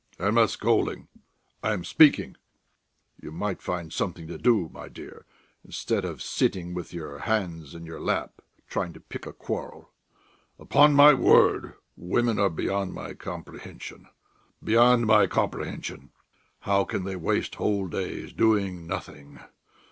"I am not scolding; I am speaking. You might find something to do, my dear, instead of sitting with your hands in your lap trying to pick a quarrel. Upon my word, women are beyond my comprehension! Beyond my comprehension! How can they waste whole days doing nothing?